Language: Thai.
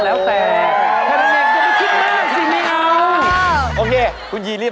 กลับไปก่อนเลยนะครับ